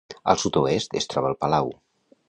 Al sud-oest es troba el palau.